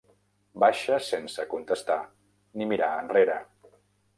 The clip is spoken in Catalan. Baixa sense contestar ni mirar enrere.